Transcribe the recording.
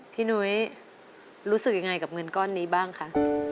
นุ้ยรู้สึกยังไงกับเงินก้อนนี้บ้างคะ